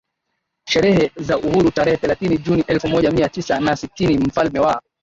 sherehe za Uhuru tarehe thelathini Juni elfu moja Mia Tisa na sitini Mfalme wa